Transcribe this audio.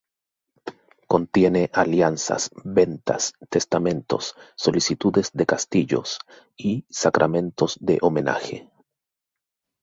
Contiene alianzas, ventas, testamentos, solicitudes de castillos y sacramentos de homenaje.